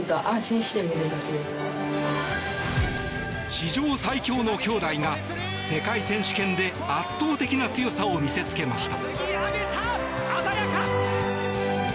史上最強の兄妹が世界選手権で圧倒的な強さを見せつけました。